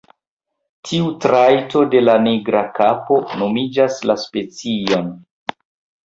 Tiu trajto de la nigra kapo nomigas la specion.